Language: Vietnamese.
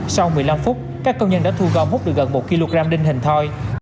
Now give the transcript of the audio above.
sau một mươi năm phút các công nhân đã thu gom hút được gần một kg đinh hình thoi